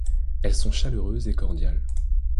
Elles sont chaleureuses et cordiales.